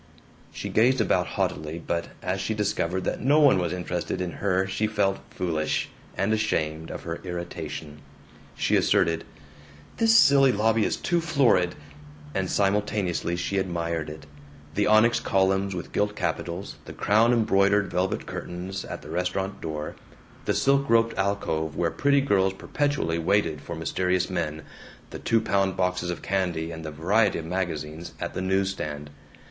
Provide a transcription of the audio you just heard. She gazed about haughtily, but as she discovered that no one was interested in her she felt foolish, and ashamed of her irritation. She asserted, "This silly lobby is too florid," and simultaneously she admired it: the onyx columns with gilt capitals, the crown embroidered velvet curtains at the restaurant door, the silk roped alcove where pretty girls perpetually waited for mysterious men, the two pound boxes of candy and the variety of magazines at the news stand.